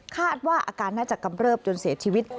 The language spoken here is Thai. คาดว่าอาการน่าจะกำเริบจนเสียชีวิต